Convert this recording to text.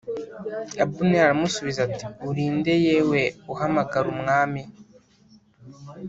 Abuneri aramusubiza ati “Uri nde yewe uhamagara umwami?”